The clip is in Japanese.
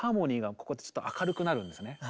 ここでちょっと明るくなるんですね。